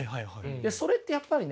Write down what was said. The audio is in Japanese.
それってやっぱりね